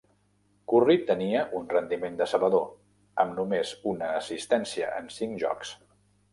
Kurri tenia un rendiment decebedor, amb només una assistència en cinc jocs.